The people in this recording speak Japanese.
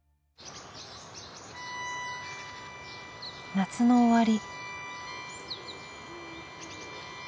夏の終わり。